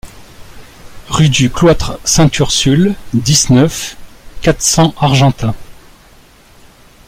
Rue du Cloître Sainte-Ursule, dix-neuf, quatre cents Argentat